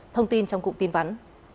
thông tin trong cụm tin vắn